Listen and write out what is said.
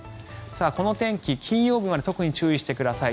この天気、金曜日まで特に注意してください。